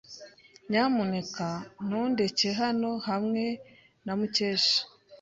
Nyamuneka ntundeke hano hamwe na Mukesha.